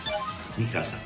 美川さん。